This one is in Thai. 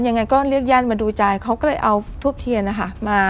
ยังไงก็เรียกญาติมาดูใจเขาก็เลยเอาทูบเทียนนะคะมา